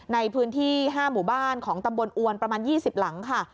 ในพื้นที่๕หมู่บ้านของตำบลอวนประมาณ๒๐หลังค่ะ